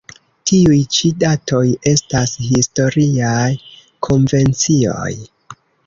Tiuj ĉi datoj estas historiaj konvencioj.